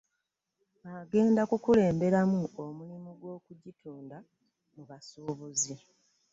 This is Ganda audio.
Agenda kukulemberamu omulimu gw'okugitunda mu basuubuzi